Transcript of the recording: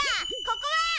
ここは。